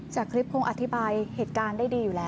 จากคลิปคงอธิบายเหตุการณ์ได้ดีอยู่แล้ว